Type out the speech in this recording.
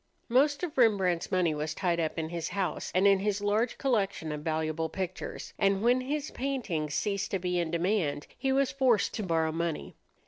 Most of Rembrandt's money was tied up in his house and in his large collection of valuable pictures; and when his paintings ceased to be in demand, he was forced to borrow money.